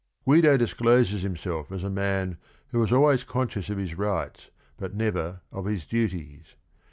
Guid o discloses himself as a man who is always conscious of his rights but never 6T his duties.